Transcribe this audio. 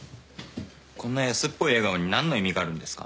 こんな安っぽい笑顔に何の意味があるんですか？